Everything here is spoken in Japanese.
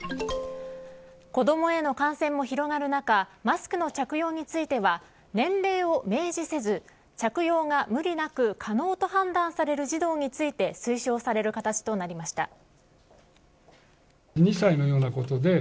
子どもへの感染が広がる中マスクの着用については年齢を明示せず着用が無理なく可能と判断される児童について推奨される形となりました。